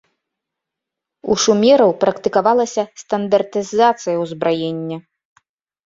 У шумераў практыкавалася стандартызацыя ўзбраення.